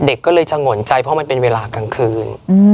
เด็กก็เลยจะงนใจเพราะมันเป็นเวลากลางคืน